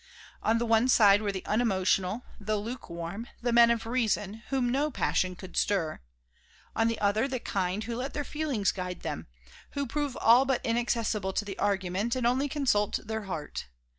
On the one side were the unemotional, the lukewarm, the men of reason, whom no passion could stir, on the other the kind who let their feelings guide them, who prove all but inaccessible to argument and only consult their heart.